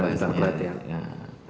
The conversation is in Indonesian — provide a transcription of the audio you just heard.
tidak ada saat itu